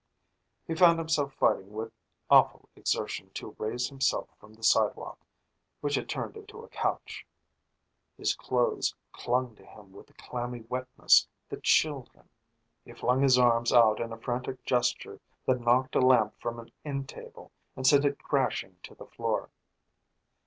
He found himself fighting with awful exertion to raise himself from the sidewalk which had turned into a couch. His clothes clung to him with a clammy wetness that chilled him. He flung his arms out in a frantic gesture that knocked a lamp from an end table and sent it crashing to the floor.